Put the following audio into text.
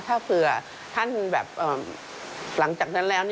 ถ้าเผื่อท่านแบบหลังจากนั้นแล้ว